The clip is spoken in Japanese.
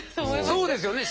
そうですよね。